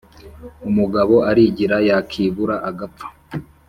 Umugabo arigira yakibura agapfa